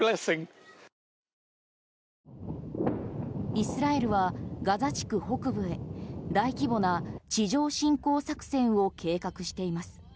イスラエルはガザ地区北部へ大規模な地上侵攻作戦を計画しています。